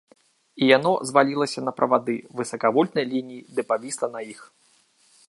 І яно звалілася на правады высакавольтнай лініі ды павісла на іх.